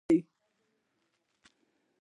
افغانستان د دښتې لپاره مشهور دی.